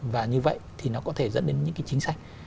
và như vậy thì nó có thể dẫn đến những cái chính sách